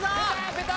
出た！